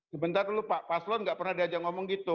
sebentar dulu pak paslon nggak pernah diajak ngomong gitu